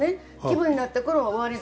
気分になったころ終わり。